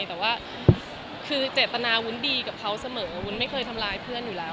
แต่ว่าคือเจตนาวุ้นดีกับเขาเสมอวุ้นไม่เคยทำร้ายเพื่อนอยู่แล้ว